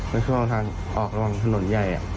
แล้วช่วงทางออกระหว่างถนนใหญ่